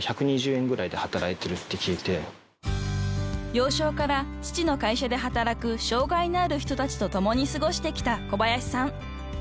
［幼少から父の会社で働く障害のある人たちと共に過ごしてきた小林さん］